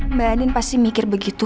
mbak anin pasti mikir begitu